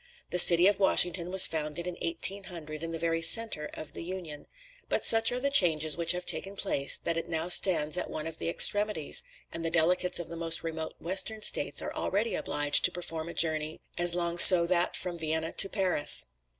The city of Washington was founded in 1800, in the very centre of the Union; but such are the changes which have taken place, that it now stands at one of the extremities; and the delegates of the most remote Western States are already obliged to perform a journey as long so that from Vienna to Paris.